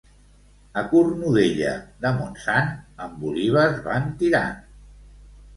A Cornudella de Montsant, amb olives van tirant.